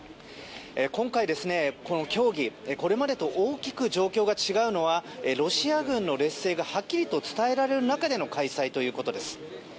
今回の協議、これまでと大きく状況が違うのはロシア軍の劣勢が、はっきりと伝えられる中での開催ということです。